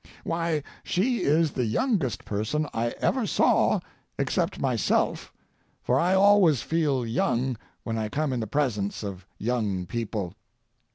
Why, she is the youngest person I ever saw, except myself—for I always feel young when I come in the presence of young people.